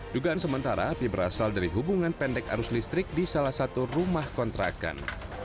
dugaan sementara api berasal dari hubungan pendek arus listrik di salah satu rumah kontrakan